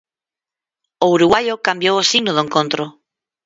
O uruguaio cambiou o signo do encontro.